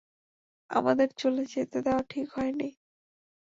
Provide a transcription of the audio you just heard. আমাদের চলে যেতে দেওয়া ঠিক হয়নি।